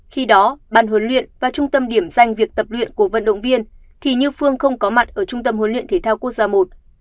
khi đó ban huấn luyện và trung tâm điểm danh việc tập luyện của vận động viên thì như phương không có mặt ở trung tâm huấn luyện thể thao quốc gia i